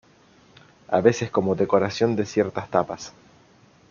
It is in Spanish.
A veces como decoración de ciertas tapas.